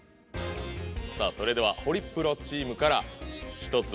さぁそれではホリプロチームから１つ。